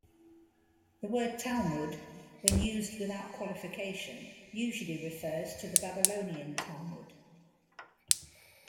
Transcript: The word "Talmud", when used without qualification, usually refers to the Babylonian Talmud.